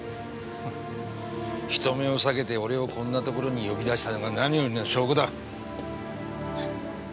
人目を避けて俺をこんなところに呼び出したのが何よりの証拠だ。